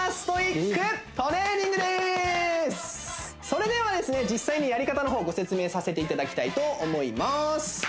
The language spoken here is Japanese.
それでは実際にやり方の方ご説明させていただきたいと思います